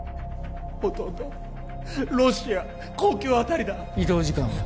ほとんどロシア国境辺りだ移動時間は？